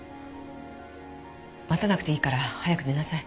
待たなくていいから早く寝なさい。